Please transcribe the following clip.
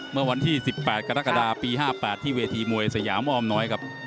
เมื่อวันที่๑๘กรกฎาปี๕๘ที่เวทีมวยสยามอ้อมน้อยครับ